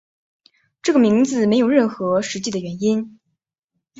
这个名字没有任何实际的原因。